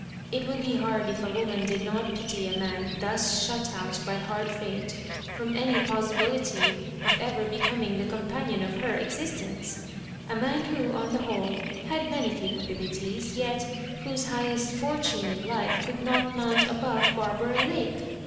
It would be hard if a woman did not pity a man thus shut out by hard fate from any possibillity of ever be coming the companion of her existence — a man who, on the whole, had many capabilities, yet whose highest fortune in life could not mount above Barbara Lake!